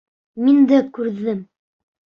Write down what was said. Миндә күрҙем!